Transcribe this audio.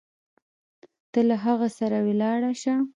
ته له هغه سره ولاړه شه.